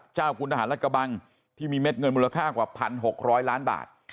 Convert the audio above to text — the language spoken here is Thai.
เจ้าคุณทหารรัฐกะบังที่มีเม็ดเงินมูลค่ากว่า๑๖๐๐ล้านบาท